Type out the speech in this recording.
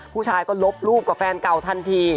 ผู้ชายก็ลบรูปกับแฟนเก่าทันที